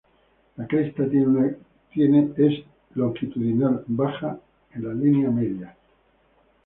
La cresta tiene una cresta longitudinal baja en la línea media.